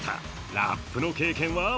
ラップの経験は？